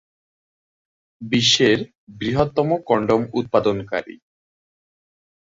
বিশ্বের বৃহত্তম কনডম উৎপাদনকারী।